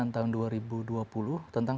tahun dua ribu dua puluh tentang